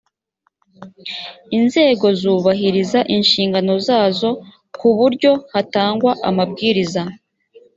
inzego zubahiriza inshingano zazo ku buryo hatangwa amabwiriza